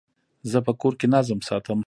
زه په کور کي نظم ساتم.